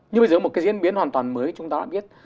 nhưng bây giờ một cái diễn biến hoàn toàn mới chúng ta đã biết